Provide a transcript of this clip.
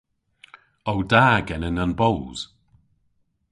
O da genen an boos?